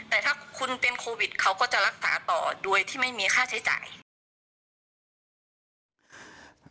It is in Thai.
แต่ถ้าคุณเป็นโควิดเขาก็จะรักษาต่อโดยที่ไม่มีค่าใช้จ่าย